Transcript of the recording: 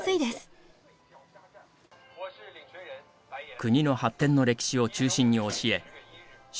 国の発展の歴史を中心に教え習